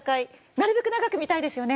なるべく長く見たいですよね！